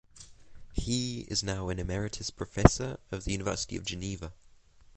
He is now an emeritus professor of the University of Geneva.